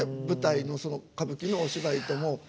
舞台のその歌舞伎のお芝居とも。